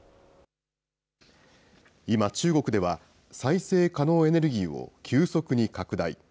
今、中国では再生可能エネルギーを急速に拡大。